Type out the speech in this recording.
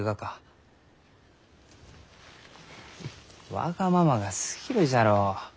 わがままがすぎるじゃろう。